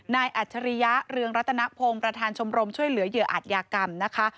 อัจฉริยะเรืองรัตนพงศ์ประธานชมรมช่วยเหลือเหยื่ออาจยากรรมนะคะ